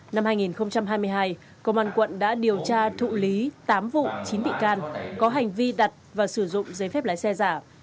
năm hai nghìn hai mươi hai công an quận đã điều tra thụ lý tám vụ chín bị can có hành vi đặt và sử dụng giấy phép lái xe giả